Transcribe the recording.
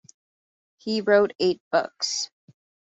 He wrote eight books.